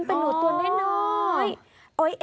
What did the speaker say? เป็นหนูตัวในน้ำ